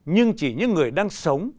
nhưng chỉ những người đang sống